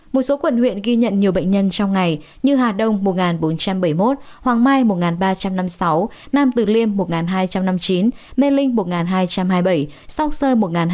một số quận huyện ghi nhận nhiều bệnh nhân trong ngày như hà đông một bốn trăm bảy mươi một hoàng mai một ba trăm năm mươi sáu nam từ liêm một hai trăm năm mươi chín mê linh một hai trăm hai mươi bảy sóc sơ một hai trăm một mươi tám